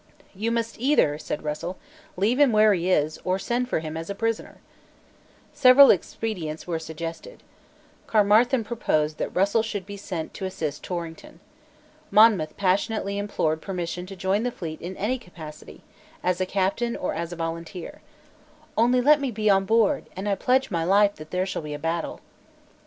"You must either," said Russell, "leave him where he is, or send for him as a prisoner." Several expedients were suggested. Caermarthen proposed that Russell should be sent to assist Torrington. Monmouth passionately implored permission to join the fleet in any capacity, as a captain, or as a volunteer. "Only let me be once on board; and I pledge my life that there shall be a battle."